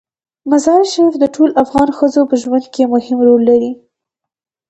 مزارشریف د ټولو افغان ښځو په ژوند کې مهم رول لري.